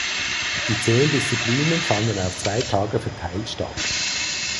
Die zehn Disziplinen fanden auf zwei Tage verteilt statt.